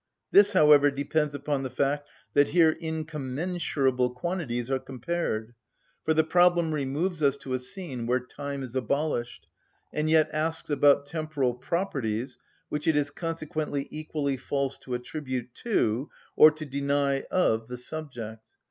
This, however, depends upon the fact that here incommensurable quantities are compared, for the problem removes us to a scene where time is abolished, and yet asks about temporal properties which it is consequently equally false to attribute to, or to deny of the subject.